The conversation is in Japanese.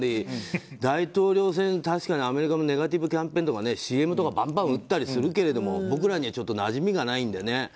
大統領選、確かにアメリカもネガティブキャンペーンとかＣＭバンバン打ったりするけど僕らにはなじみがないのでね。